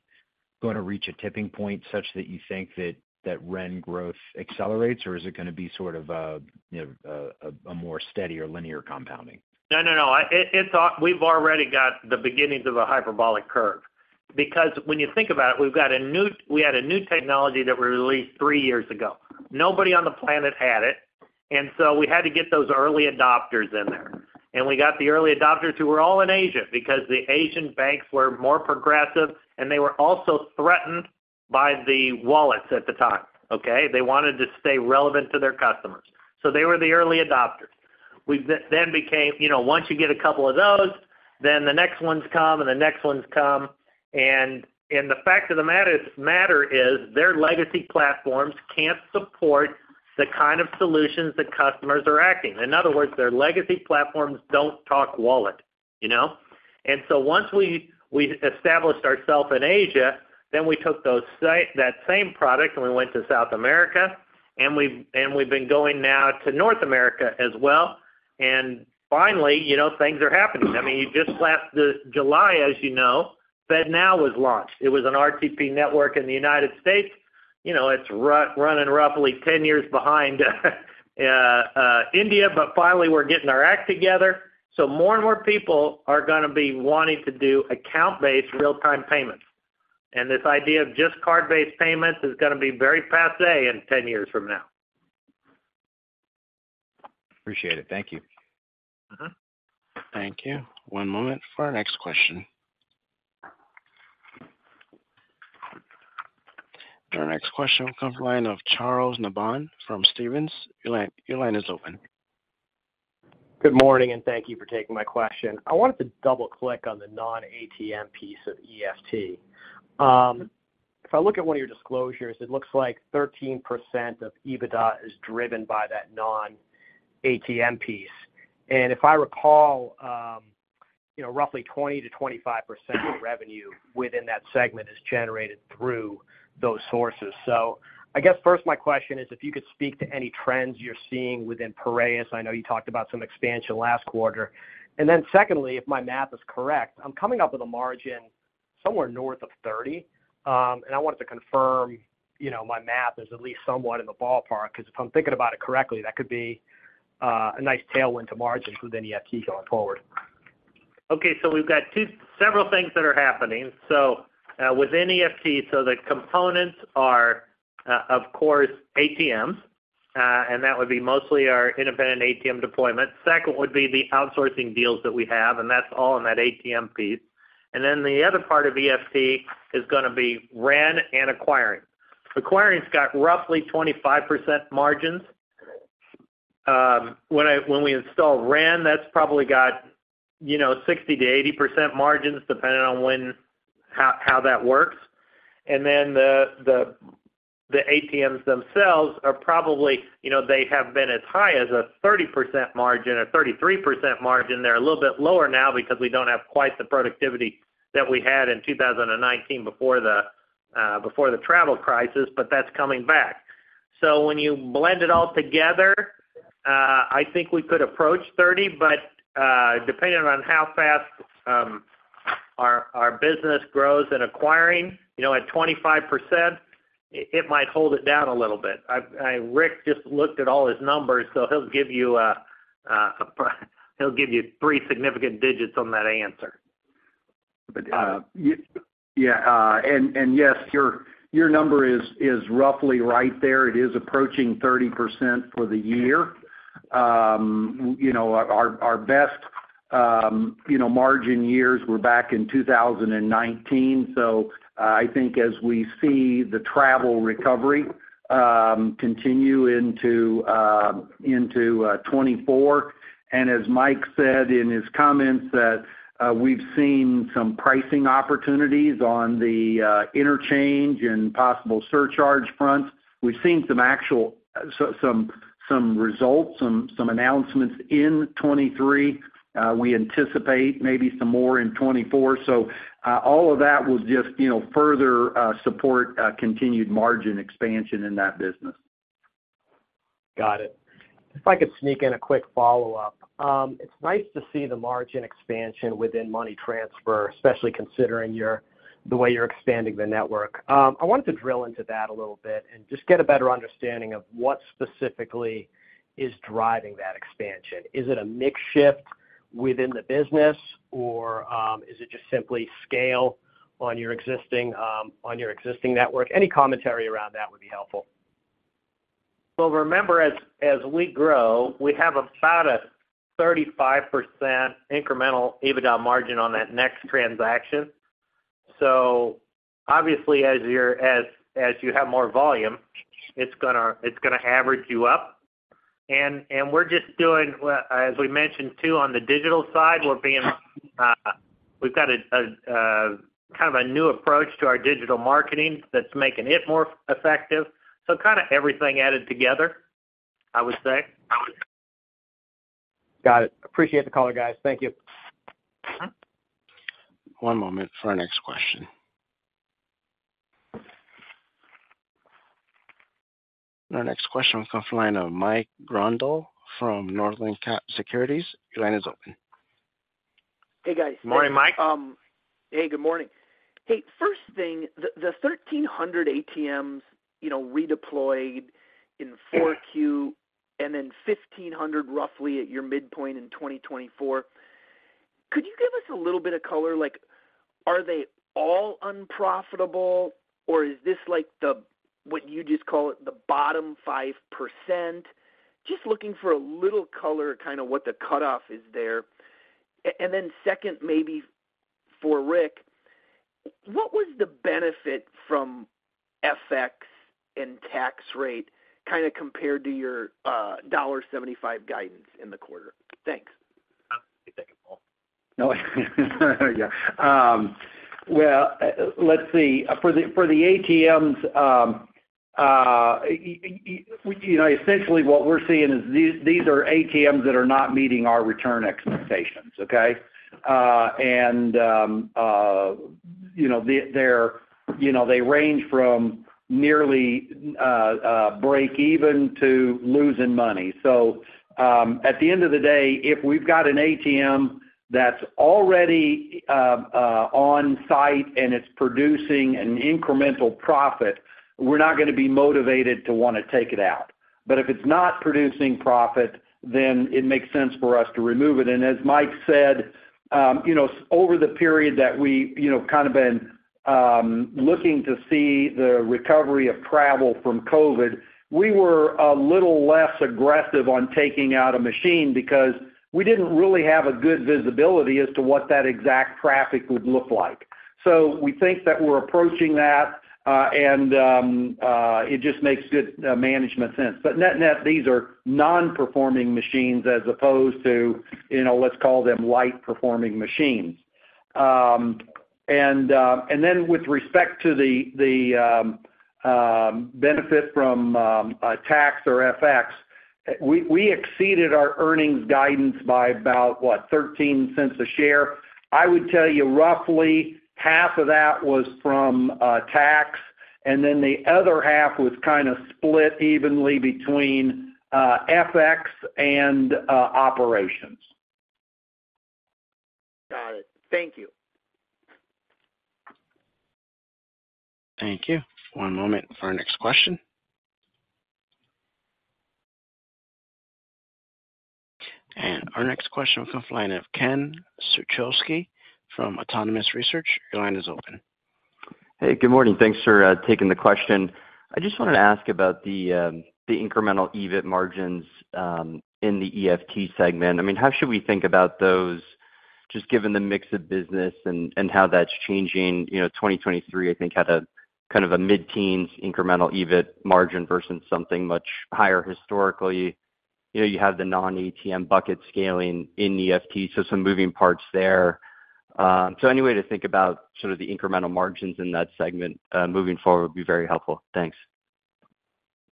going to reach a tipping point such that you think that Ren growth accelerates, or is it going to be sort of a, you know, a more steady or linear compounding? No, no, no. It, it's, we've already got the beginnings of a hyperbolic curve. Because when you think about it, we've got a new—we had a new technology that we released three years ago. Nobody on the planet had it, and so we had to get those early adopters in there. And we got the early adopters who were all in Asia, because the Asian banks were more progressive, and they were also threatened by the wallets at the time, okay? They wanted to stay relevant to their customers. So they were the early adopters. We then became, you know, once you get a couple of those, then the next ones come, and the next ones come. And the fact of the matter is their legacy platforms can't support the kind of solutions that customers are acting. In other words, their legacy platforms don't talk wallet, you know? So once we established ourselves in Asia, then we took that same product, and we went to South America, and we've been going now to North America as well. Finally, you know, things are happening. I mean, just last July, as you know, FedNow was launched. It was an RTP network in the United States. You know, it's running roughly 10 years behind India, but finally, we're getting our act together. So more and more people are going to be wanting to do account-based real-time payments. And this idea of just card-based payments is going to be very passé in 10 years from now. Appreciate it. Thank you. Uh-huh. Thank you. One moment for our next question. Our next question comes from the line of Charles Nabhan from Stephens. Your line, your line is open. Good morning, and thank you for taking my question. I wanted to double-click on the non-ATM piece of EFT. If I look at one of your disclosures, it looks like 13% of EBITDA is driven by that non-ATM piece. And if I recall, you know, roughly 20%-25% of revenue within that segment is generated through those sources. So I guess first my question is if you could speak to any trends you're seeing within Piraeus. I know you talked about some expansion last quarter. And then secondly, if my math is correct, I'm coming up with a margin somewhere north of 30, and I wanted to confirm, you know, my math is at least somewhat in the ballpark, because if I'm thinking about it correctly, that could be a nice tailwind to margins within EFT going forward. Okay, so we've got several things that are happening. So, within EFT, so the components are, of course, ATMs, and that would be mostly our independent ATM deployment. Second, would be the outsourcing deals that we have, and that's all in that ATM piece. And then the other part of EFT is going to be Ren and acquiring. Acquiring's got roughly 25% margins. When we install Ren, that's probably got, you know, 60%-80% margins, depending on when, how that works. And then the ATMs themselves are probably, you know, they have been as high as a 30% margin, a 33% margin. They're a little bit lower now because we don't have quite the productivity that we had in 2019 before the, before the travel crisis, but that's coming back. So when you blend it all together, I think we could approach 30, but, depending on how fast our business grows in acquiring, you know, at 25%, it might hold it down a little bit. Rick just looked at all his numbers, so he'll give you three significant digits on that answer. But yeah, and yes, your number is roughly right there. It is approaching 30% for the year. You know, our best margin years were back in 2019. So, I think as we see the travel recovery continue into 2024, and as Mike said in his comments, that we've seen some pricing opportunities on the interchange and possible surcharge fronts. We've seen some actual results, some announcements in 2023. We anticipate maybe some more in 2024. So, all of that will just, you know, further support continued margin expansion in that business. Got it. If I could sneak in a quick follow-up. It's nice to see the margin expansion within money transfer, especially considering your, the way you're expanding the network. I wanted to drill into that a little bit and just get a better understanding of what specifically is driving that expansion. Is it a mix shift within the business, or is it just simply scale on your existing network? Any commentary around that would be helpful. Well, remember, as we grow, we have about a 35% incremental EBITDA margin on that next transaction. So obviously, as you're as you have more volume, it's gonna average you up. And we're just doing, as we mentioned, too, on the digital side, we've got a kind of a new approach to our digital marketing that's making it more effective. So kind of everything added together, I would say. Got it. Appreciate the call, guys. Thank you. One moment for our next question. Our next question comes from the line of Mike Grondahl from Northland Capital Securities. Your line is open. Hey, guys. Morning, Mike. Hey, good morning. Hey, first thing, the 1,300 ATMs, you know, redeployed in Q4, and then 1,500 roughly at your midpoint in 2024. Could you give us a little bit of color, like, are they all unprofitable, or is this like the, what you just call it, the bottom 5%? Just looking for a little color, kind of what the cutoff is there. And then second, maybe for Rick, what was the benefit from FX and tax rate, kind of compared to your $1.75 guidance in the quarter? Thanks. Take it, Paul. Yeah. Well, let's see. For the ATMs, you know, essentially what we're seeing is these are ATMs that are not meeting our return expectations, okay? And, you know, they're, you know, they range from nearly break even to losing money. So, at the end of the day, if we've got an ATM that's already on site and it's producing an incremental profit, we're not going to be motivated to want to take it out. But if it's not producing profit, then it makes sense for us to remove it. And as Mike said, you know, over the period that we, you know, kind of been looking to see the recovery of travel from COVID, we were a little less aggressive on taking out a machine because we didn't really have a good visibility as to what that exact traffic would look like. So we think that we're approaching that, and it just makes good management sense. But net-net, these are non-performing machines as opposed to, you know, let's call them, light-performing machines. And then with respect to the benefit from tax or FX, we exceeded our earnings guidance by about, what? $0.13 a share. I would tell you roughly half of that was from tax, and then the other half was kind of split evenly between FX and operations. Got it. Thank you. Thank you. One moment for our next question. Our next question will come from the line of Ken Suchoski from Autonomous Research. Your line is open. Hey, good morning. Thanks for taking the question. I just wanted to ask about the incremental EBIT margins in the EFT segment. I mean, how should we think about those? Just given the mix of business and how that's changing, you know, 2023, I think, had a kind of a mid-teens incremental EBIT margin versus something much higher historically. You know, you have the non-ATM bucket scaling in EFT, so some moving parts there. So any way to think about sort of the incremental margins in that segment moving forward would be very helpful. Thanks.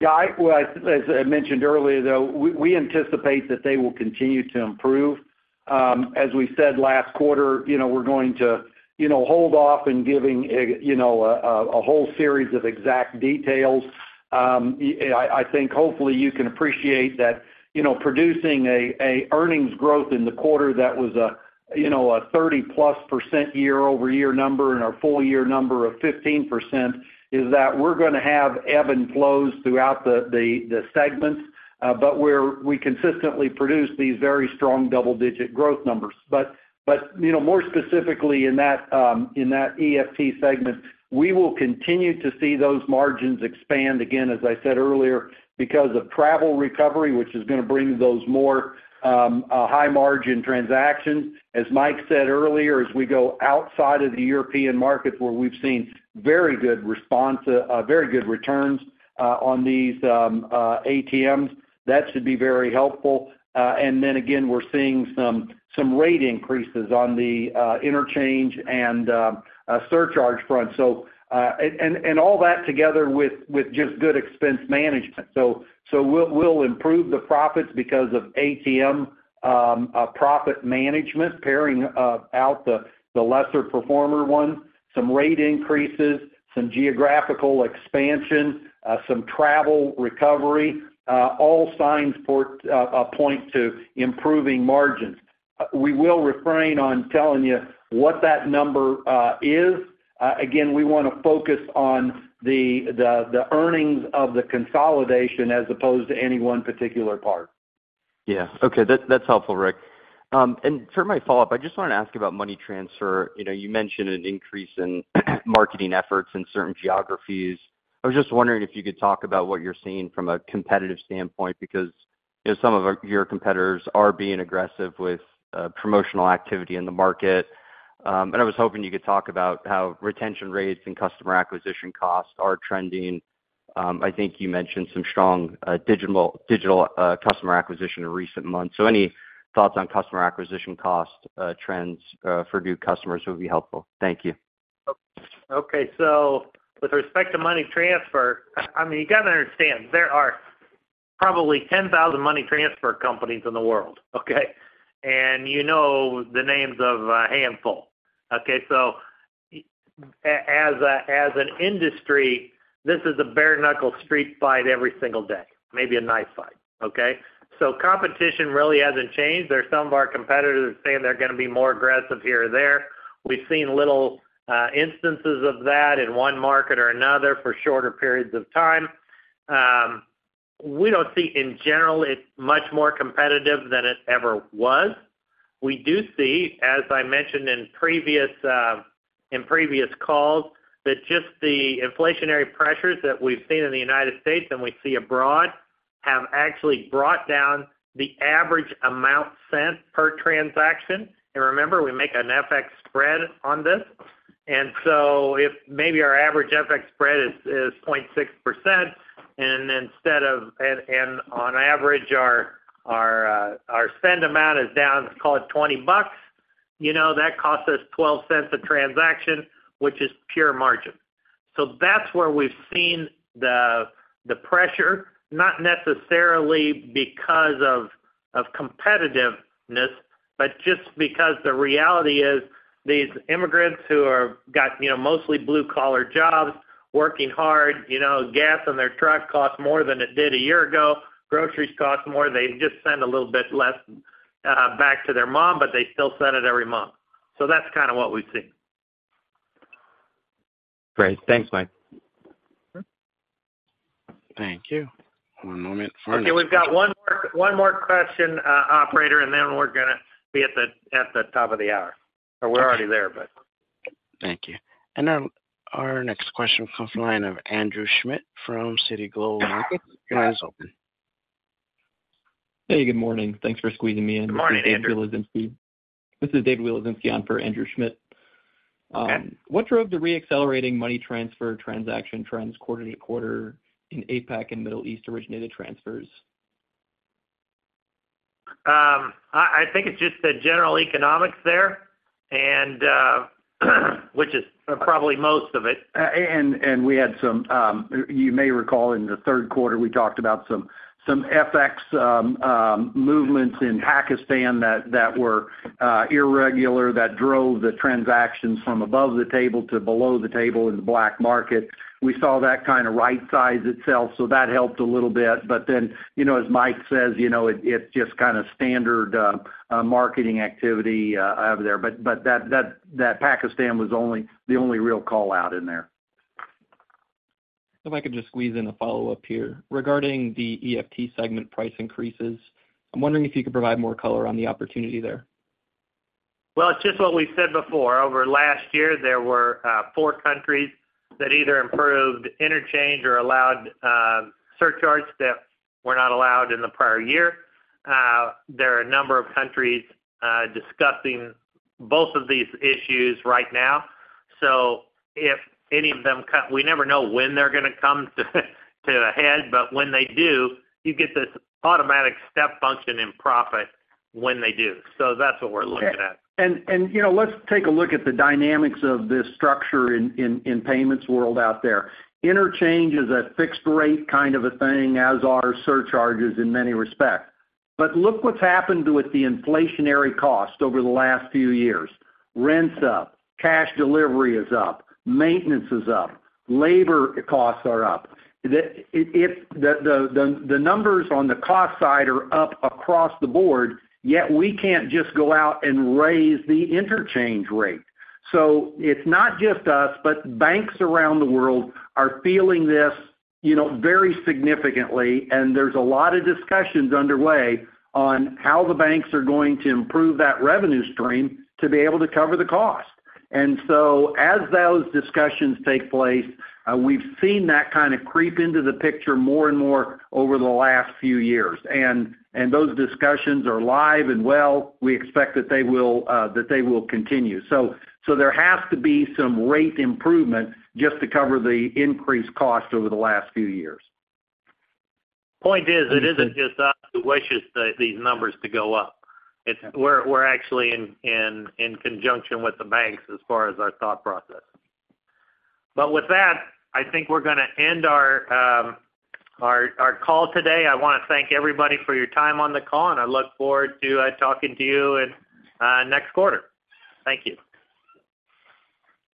Yeah, well, as I mentioned earlier, though, we anticipate that they will continue to improve. As we said last quarter, you know, we're going to, you know, hold off in giving a, you know, a whole series of exact details. I think hopefully, you can appreciate that, you know, producing earnings growth in the quarter that was a, you know, a 30%+ year-over-year number and our full year number of 15% is that we're gonna have ebb and flows throughout the segments, but we're-- we consistently produce these very strong double-digit growth numbers. But, you know, more specifically in that EFT segment, we will continue to see those margins expand, again, as I said earlier, because of travel recovery, which is gonna bring those more high-margin transactions. As Mike said earlier, as we go outside of the European markets, where we've seen very good response, very good returns, on these ATMs, that should be very helpful. And then again, we're seeing some rate increases on the interchange and surcharge front. So, and all that together with just good expense management. So we'll improve the profits because of ATM profit management, paring out the lesser performer one, some rate increases, some geographical expansion, some travel recovery, all signs point to improving margins. We will refrain on telling you what that number is. Again, we want to focus on the earnings of the consolidation as opposed to any one particular part. Yeah. Okay, that's helpful, Rick. And for my follow-up, I just wanted to ask about money transfer. You know, you mentioned an increase in marketing efforts in certain geographies. I was just wondering if you could talk about what you're seeing from a competitive standpoint, because, you know, some of our- your competitors are being aggressive with promotional activity in the market. And I was hoping you could talk about how retention rates and customer acquisition costs are trending. I think you mentioned some strong digital customer acquisition in recent months. So any thoughts on customer acquisition costs trends for new customers would be helpful. Thank you. Okay. So with respect to money transfer, I mean, you gotta understand, there are probably 10,000 money transfer companies in the world, okay? And you know the names of a handful. Okay, so as a, as an industry, this is a bare knuckle street fight every single day, maybe a knife fight, okay? So competition really hasn't changed. There are some of our competitors saying they're gonna be more aggressive here or there. We've seen little instances of that in one market or another for shorter periods of time. We don't see. In general, it's much more competitive than it ever was. We do see, as I mentioned in previous, in previous calls, that just the inflationary pressures that we've seen in the United States and we see abroad, have actually brought down the average amount sent per transaction. Remember, we make an FX spread on this. So if maybe our average FX spread is 0.6%, and instead of... And on average, our send amount is down, let's call it $20, you know, that costs us $0.12 a transaction, which is pure margin. So that's where we've seen the pressure, not necessarily because of competitiveness, but just because the reality is, these immigrants who've got, you know, mostly blue-collar jobs, working hard, you know, gas in their truck costs more than it did a year ago. Groceries cost more. They just send a little bit less back to their mom, but they still send it every month. So that's kind of what we see. Great. Thanks, Mike. Thank you. One moment. Okay, we've got one more, one more question, operator, and then we're gonna be at the, at the top of the hour. Or we're already there, but. Thank you. Now, our next question comes from the line of Andrew Schmidt from Citi Global Markets. Your line is open. Hey, good morning. Thanks for squeezing me in- Good morning, Andrew. This is David Wieloszynski on for Andrew Schmidt. Okay. What drove the reaccelerating money transfer transaction trends quarter to quarter in APAC and Middle East originated transfers? I think it's just the general economics there, and which is probably most of it. And we had some, you may recall in the third quarter, we talked about some FX movements in Pakistan that were irregular, that drove the transactions from above the table to below the table in the black market. We saw that kind of rightsized itself, so that helped a little bit. But then, you know, as Mike says, you know, it's just kind of standard marketing activity out there. But that Pakistan was the only real call-out in there. If I could just squeeze in a follow-up here. Regarding the EFT segment price increases, I'm wondering if you could provide more color on the opportunity there. Well, it's just what we said before. Over last year, there were 4 countries that either improved interchange or allowed surcharges that were not allowed in the prior year. There are a number of countries discussing both of these issues right now. So if any of them come, we never know when they're going to come to the head, but when they do, you get this automatic step function in profit when they do. So that's what we're looking at. You know, let's take a look at the dynamics of this structure in the payments world out there. Interchange is a fixed rate kind of a thing, as are surcharges in many respects. But look what's happened with the inflationary cost over the last few years. Rent's up, cash delivery is up, maintenance is up, labor costs are up. The numbers on the cost side are up across the board, yet we can't just go out and raise the interchange rate. So it's not just us, but banks around the world are feeling this, you know, very significantly, and there's a lot of discussions underway on how the banks are going to improve that revenue stream to be able to cover the cost. And so as those discussions take place, we've seen that kind of creep into the picture more and more over the last few years. And those discussions are live and well. We expect that they will continue. So there has to be some rate improvement just to cover the increased cost over the last few years. Point is, it isn't just us who wishes these numbers to go up. We're actually in conjunction with the banks as far as our thought process. But with that, I think we're going to end our call today. I want to thank everybody for your time on the call, and I look forward to talking to you in next quarter. Thank you.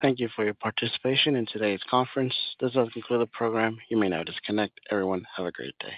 Thank you for your participation in today's conference. This does conclude the program. You may now disconnect. Everyone, have a great day.